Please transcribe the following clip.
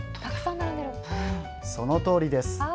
そのとおりです。